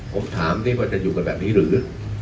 ผมถามนี่ว่าจะอยู่กันแบบนี้หรือ